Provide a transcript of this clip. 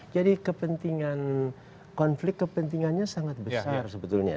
jadi konflik kepentingannya sangat besar sebetulnya